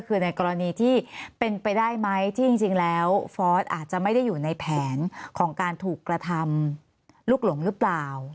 คือในกรณีที่เป็นไปได้ไหมที่จริงแล้วฟอร์สอาจจะไม่ได้อยู่ในแผนของการถูกกระทำลูกหลงหรือเปล่า